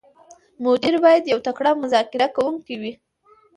مدیر باید یو تکړه مذاکره کوونکی وي.